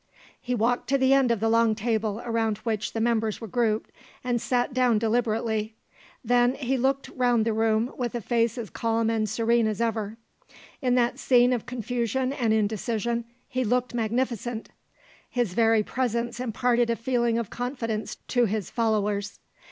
He walked to the end of the long table around which the members were grouped, and sat down deliberately. Then he looked round the room, with a face as calm and serene as ever. In that scene of confusion and indecision he looked magnificent. His very presence imparted a feeling of confidence to his followers.